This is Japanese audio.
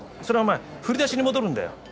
それはお前振り出しに戻るんだよ。